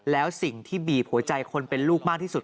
แล้วสิ่งที่บีบหัวใจคนเป็นลูกมากที่สุด